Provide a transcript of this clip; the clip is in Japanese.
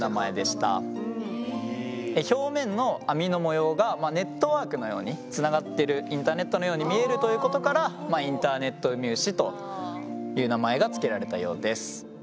表面の網の模様がネットワークのようにつながってるインターネットのように見えるということからインターネットウミウシという名前が付けられたようです。